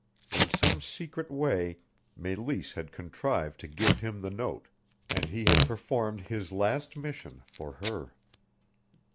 In some secret way Meleese had contrived to give him the note, and he had performed his last mission for her.